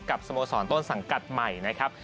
สโมสรต้นสังกัดใหม่นะครับ